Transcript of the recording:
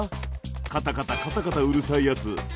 カタカタカタカタうるさいやつ。